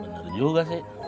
bener juga sih